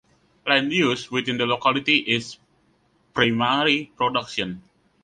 Land use within the locality is ’primary production’.